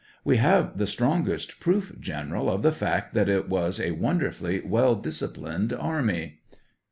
We have the strongest proof. General, of the fact that it was a wonderfully well disciplined army.